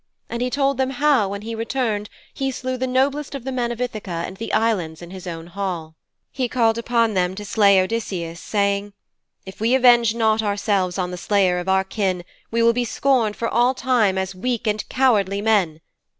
And he told them how, when he returned, he slew the noblest of the men of Ithaka and the Islands in his own hall. He called upon them to slay Odysseus saying, 'If we avenge not ourselves on the slayer of our kin we will be scorned for all time as weak and cowardly men.